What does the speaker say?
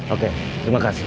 oke terima kasih